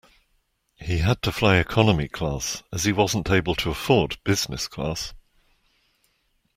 He had to fly economy class, as he wasn't able to afford business class